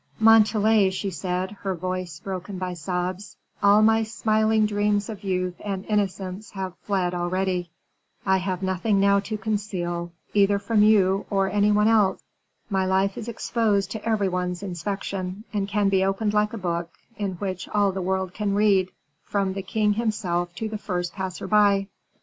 "Montalais," she said, her voice broken by sobs, "all my smiling dreams of youth and innocence have fled already. I have nothing now to conceal, either from you or any one else. My life is exposed to every one's inspection, and can be opened like a book, in which all the world can read, from the king himself to the first passer by.